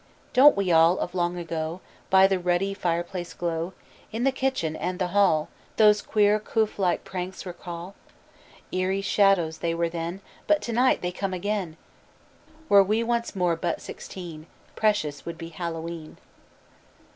Don't we all, of long ago By the ruddy fireplace glow, In the kitchen and the hall, Those queer, coof like pranks recall? Eery shadows were they then But to night they come again; Were we once more but sixteen Precious would be Hallowe'en.